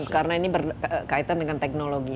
karena ini berkaitan dengan teknologi